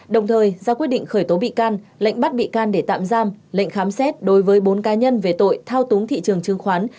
đồng thời ra quyết định khởi tố bị can lệnh bắt bị can để tạm giam lệnh khám xét đối với bốn cá nhân về tội thao túng thị trường chứng khoán